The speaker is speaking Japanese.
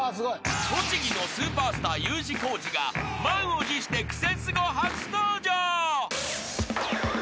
［栃木のスーパースターＵ字工事が満を持して『クセスゴ』初登場］